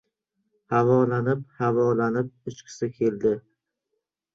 Havolanib-havolanib uchgisi keldi.